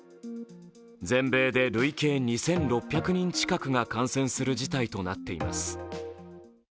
全米で累計２６００人近くが感染する事態となっています。